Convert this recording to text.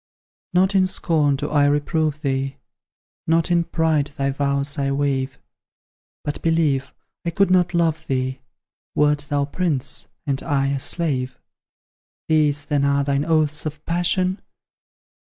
Not in scorn do I reprove thee, Not in pride thy vows I waive, But, believe, I could not love thee, Wert thou prince, and I a slave. These, then, are thine oaths of passion?